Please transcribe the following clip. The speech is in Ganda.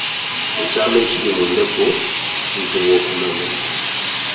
Ekyama ekiri mu ndeku kizibu okumanya.